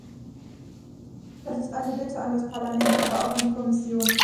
Das ist eine Bitte an das Parlament, aber auch an die Kommission.